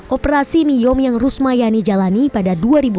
operasi miyom yang rusmayani jalani pada dua ribu empat belas